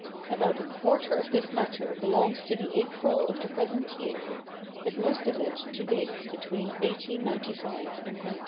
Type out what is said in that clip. About a quarter of this matter belongs to the April of the present year, but most of it to dates between 1895 and 1910.